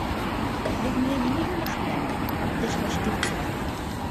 Ә һеҙ миңә ниндәй йомош менән, иптәш Башкирцева?